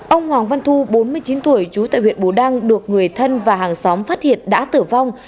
ông hoàng văn thu bốn mươi chín tuổi trú tại huyện bù đăng được người thân và hàng xóm phát hiện đã tử vong